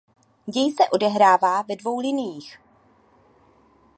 Děj se odehrává ve dvou liniích.